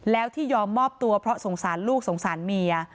แล้วที่ยอมมอบตัวเพราะสงสารลูกสงสารเมีย